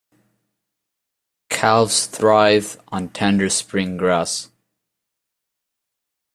Calves thrive on tender spring grass.